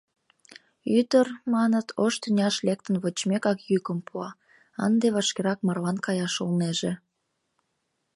Ӱдыр, маныт, ош тӱняш лектын вочмекак йӱкым пуа: ынде вашкерак марлан каяш улнеже.